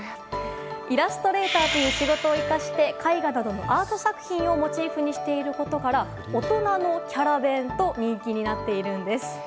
イラストレーターという仕事を生かして絵画などのアート作品をモチーフにしていることから大人のキャラ弁と人気になっているんです。